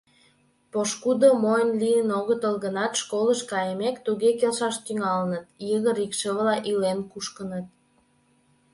Пошкудо мойн лийын огытыл гынат, школыш кайымек, туге келшаш тӱҥалыныт — йыгыр икшывыла илен кушкыныт